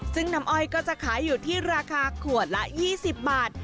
ซึ่งน้ำอ้อยก็จะขายอยู่ที่ราคาขวดละ๒๐บาท